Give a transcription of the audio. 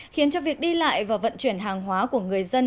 khiến cho việc đi lại và vận chuyển hàng hóa của người dân